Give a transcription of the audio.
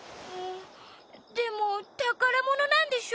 でもたからものなんでしょ？